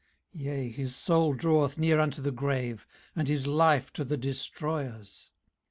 18:033:022 Yea, his soul draweth near unto the grave, and his life to the destroyers.